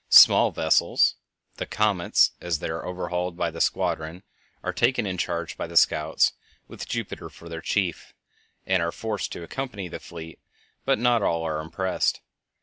Small vessels (the comets, as they are overhauled by the squadron, are taken in charge by the scouts, with Jupiter for their chief, and are forced to accompany the fleet, but not all are impressed.